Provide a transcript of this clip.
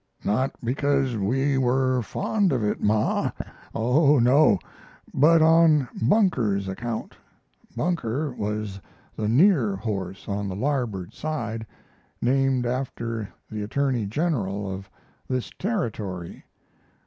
Not because we were fond of it, Ma oh, no! but on Bunker's account. Bunker was the "near" horse on the larboard side, named after the attorney general of this Territory.